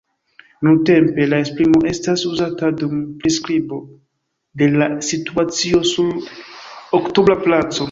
Nuntempe la esprimo estas uzata dum priskribo de la situacio sur Oktobra Placo.